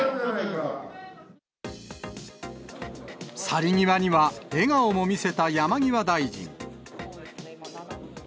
去り際には、笑顔も見せた山際大臣。